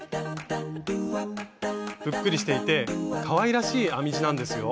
ぷっくりしていてかわいらしい編み地なんですよ。